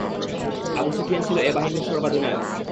Abu Sufyan ছিল এ বাহিনীর সর্বাধিনায়ক।